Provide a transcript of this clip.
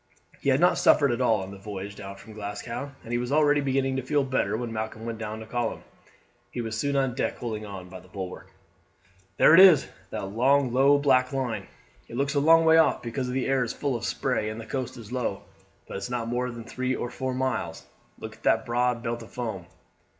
He had not suffered at all on the voyage down from Glasgow, and he was already beginning to feel better when Malcolm went down to call him. He was soon on deck holding on by the bulwark. "There it is, that long low black line; it looks a long way off because the air is full of spray and the coast is low, but it's not more than three or four miles; look at that broad belt of foam."